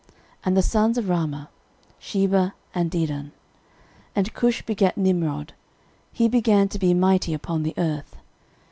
And the sons of Raamah; Sheba, and Dedan. 13:001:010 And Cush begat Nimrod: he began to be mighty upon the earth.